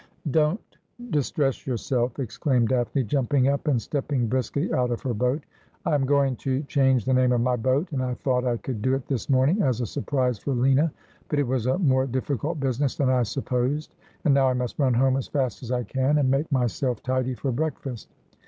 ' Don't distress yourself,' exclaimed Daphne, jumping up and stepping briskly out of her boat. ' I am going to change the name of my boat, and I thought I could do it this morning as a surprise for Lina ; but it was a more difficult business than I supposed. And now I must run home as fast as I can, and make myself tidy for breakfast.